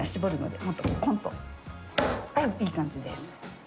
おおいい感じです。